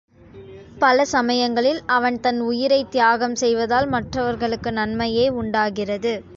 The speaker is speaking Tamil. பல சமயங்களில், அவன் தன் உயிரைத் தியாகம் தெய்வதால், மற்றவர்களுக்கு நன்மையே உண்டாகிறது.